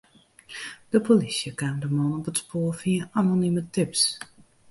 De polysje kaam de man op it spoar fia anonime tips.